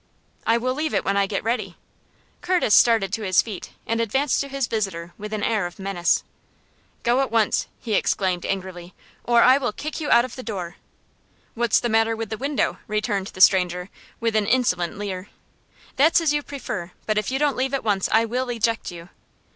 "I will leave it when I get ready." Curtis started to his feet, and advanced to his visitor with an air of menace. "Go at once," he exclaimed, angrily, "or I will kick you out of the door!" "What's the matter with the window?" returned the stranger, with an insolent leer. "That's as you prefer, but if you don't leave at once I will eject you."